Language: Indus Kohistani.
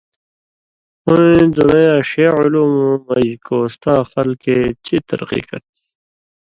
ہُویں دُنَیں یاں ݜے عُلُومؤں مژ کوستاں خلکے چئ ترقی کرچھی۔